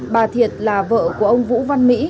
bà thiệt là vợ của ông vũ văn mỹ